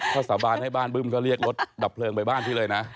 ถ้าสาบานให้บ้านบึ้มก็เรียกรถดับเพลิงไปบ้านพี่เลยนะ